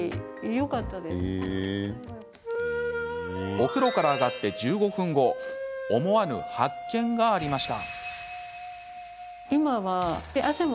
お風呂から上がって１５分後思わぬ発見がありました。